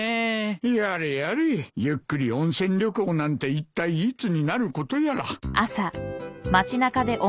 やれやれゆっくり温泉旅行なんていったいいつになることやら。